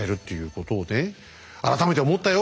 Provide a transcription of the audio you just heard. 改めて思ったよ